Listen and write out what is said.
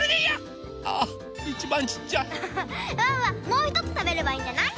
もうひとつたべればいいんじゃない？